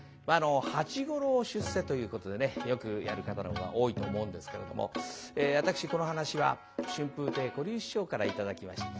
「八五郎出世」ということでねよくやる方のほうが多いと思うんですけれども私この噺は春風亭小柳枝師匠から頂きまして。